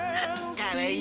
かわいい。